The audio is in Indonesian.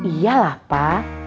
iya lah pak